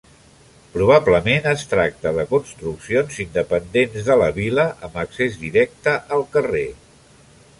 Probablement es tracta de construccions independents de la vil·la, amb accés directe al carrer.